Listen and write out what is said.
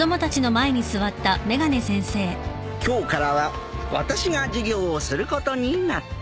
今日からは私が授業をすることになった。